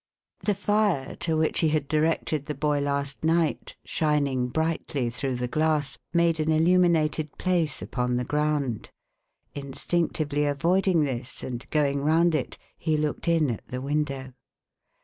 The fire, to which he had directed the boy last night, shining brightly through the glass, made an illuminated place upon the ground. Instinctively avoiding this, and going round it, he looked in at the window.